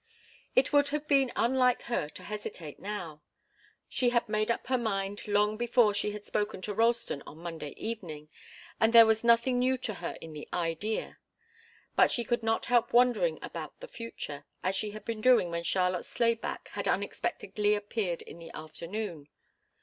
It would have been unlike her to hesitate now. She had made up her mind long before she had spoken to Ralston on Monday evening, and there was nothing new to her in the idea. But she could not help wondering about the future, as she had been doing when Charlotte Slayback had unexpectedly appeared in the afternoon.